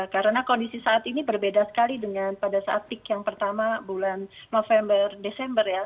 karena kondisi saat ini berbeda sekali dengan pada saat peak yang pertama bulan november desember ya